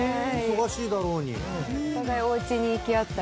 忙しいだろうに。